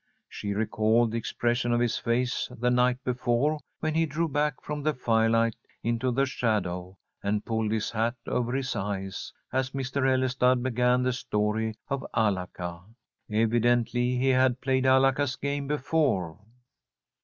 She recalled the expression of his face the night before when he drew back from the firelight into the shadow, and pulled his hat over his eyes, as Mr. Ellestad began the story of Alaka. Evidently he had played Alaka's game before.